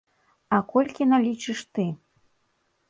А колькі налічыш ты?